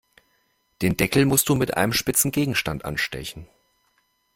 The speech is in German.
Den Deckel musst du mit einem spitzen Gegenstand anstechen.